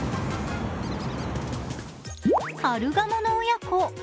カルガモの親子。